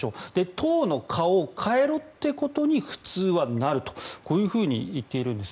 党の顔を変えろということに普通はなるとこういうふうに言っているんです。